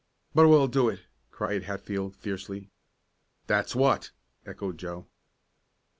"But we'll do it!" cried Hatfield, fiercely. "That's what!" echoed Joe.